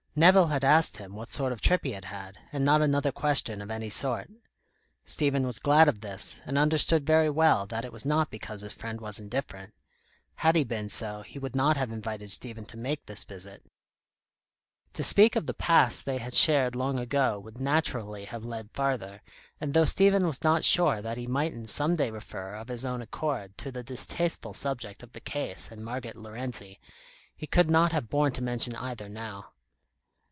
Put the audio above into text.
Nevill had asked him what sort of trip he had had, and not another question of any sort. Stephen was glad of this, and understood very well that it was not because his friend was indifferent. Had he been so, he would not have invited Stephen to make this visit. To speak of the past they had shared, long ago, would naturally have led farther, and though Stephen was not sure that he mightn't some day refer, of his own accord, to the distasteful subject of the Case and Margot Lorenzi, he could not have borne to mention either now.